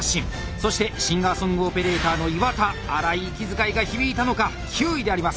そしてシンガーソングオペレーターの岩田荒い息遣いが響いたのか９位であります。